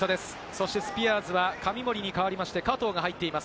そしてスピアーズは紙森に代わりまして、加藤が入っています。